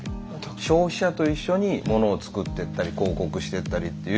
消費者と一緒にものを作ってったり広告してったりという。